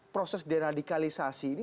proses deradikalisasi ini